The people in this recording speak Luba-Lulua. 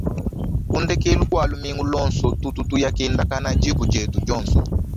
Kundekelu kua lumingu lonsu tutu tuya kendakana dikuu dietu dionsu.